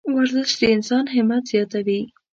ورزش د انسان همت زیاتوي.